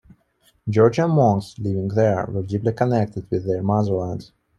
Georgian monks living there were deeply connected with their motherland.